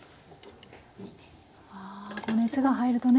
こう熱が入るとね